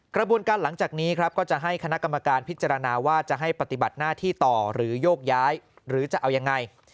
กระบวนการหลังจากนี้ครับก็จะให้คณะกรรมการพิจารณาว่าจะให้ปฏิบัติหน้าที่ต่อหรือโยกย้ายหรือจะเอายังไง